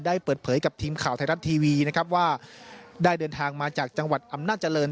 ได้เปิดเผยกับทีมข่าวไทยรัฐทีวีนะครับว่าได้เดินทางมาจากจังหวัดอำนาจริง